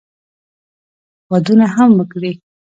ودونه هم وکړي.